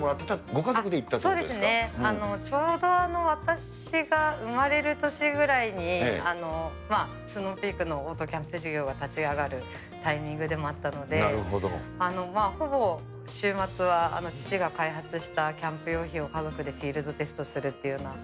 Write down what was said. ご家族で行ったとそうですね、ちょうど私が生まれる年ぐらいに、スノーピークのオートキャンプ事業が立ち上がるタイミングでもあったので、ほぼ週末は、父が開発したキャンプ用品を、家族でフィールドテストするというような。